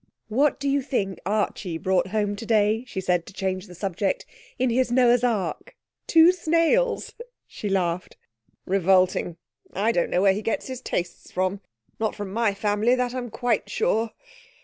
'What do you think Archie brought home today,' she said to change the subject, 'in his Noah's Ark? Two snails!' She laughed. 'Revolting! I don't know where he gets his tastes from. Not from my family, that I'm quite sure.'